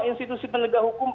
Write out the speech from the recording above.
institusi penegak hukum